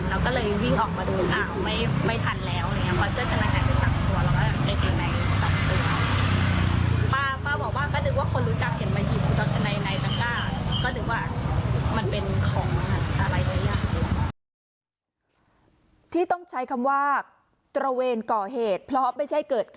เราก็เลยวิ่งออกมาดูอ้าวไม่ทันแล้ว